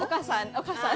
お母さん。